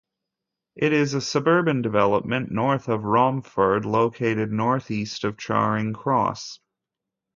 It is a suburban development north of Romford, located north east of Charing Cross.